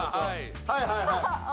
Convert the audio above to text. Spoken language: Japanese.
はいはいはい。